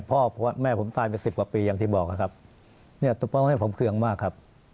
พ่อเพราะว่าแม่ผมตายไปสิบกว่าปีอย่างที่บอกครับเนี้ยต้องให้ผมเครื่องมากครับ